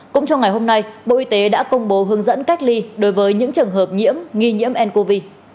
cũng trong ngày hôm nay bộ y tế đã công bố hướng dẫn cách ly đối với những trường hợp nhiễm nghi nhiễm ncov